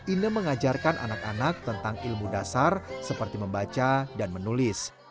ine mengajarkan anak anak tentang ilmu dasar seperti membaca dan menulis